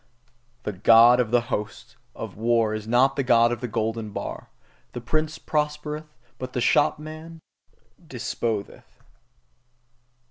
The God of the Hosts of war is not the God of the golden bar; the prince proposeth, but the shopman disposeth!